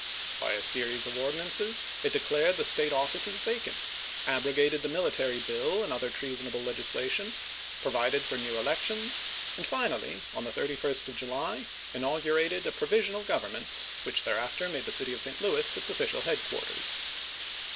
By a series of ordinances it declared the State offices vacant, abrogated the military bill and other treasonable legislation, provided for new elections, and finally, on the 31st of July, inaugurated a provisional government, which thereafter made the city of St. Louis its official headquarters.